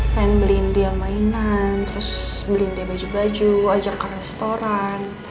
pengen beliin dia mainan terus beliin dia baju baju ajak ke restoran